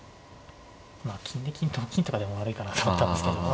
まあ金で金金とかでも悪いかなと思ったんですけどま